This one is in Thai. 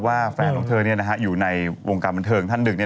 ว่าแฟนลงเถิอยู่ในวงกรบันเทิกท่านหนึ่ง